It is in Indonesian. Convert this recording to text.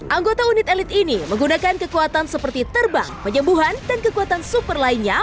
anggota unit elit ini menggunakan kekuatan seperti terbang penyembuhan dan kekuatan super lainnya